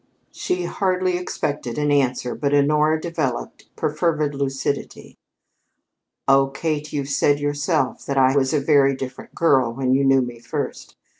She hardly expected an answer, but Honora developed a perfervid lucidity. "Oh, Kate, you've said yourself that I was a very different girl when you knew me first.